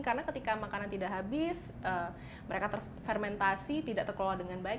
karena ketika makanan tidak habis mereka terfermentasi tidak terkeluar dengan baik